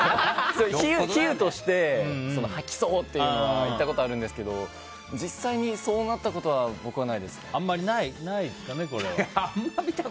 比喩として吐きそうっていうのは言ったことあるんですけど実際にそうなったことはあんまりないですかね、これは。